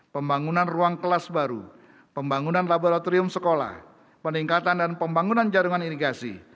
pembangunan ruang kelas baru pembangunan laboratorium sekolah peningkatan dan pembangunan jaringan irigasi